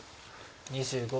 ２５秒。